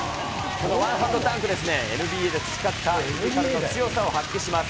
このワンハンドダンクですね、ＮＢＡで培ったフィジカルの強さを発揮します。